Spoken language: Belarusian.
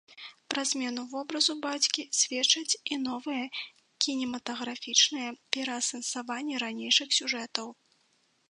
Пра змену вобразу бацькі сведчаць і новыя кінематаграфічныя пераасэнсаванні ранейшых сюжэтаў.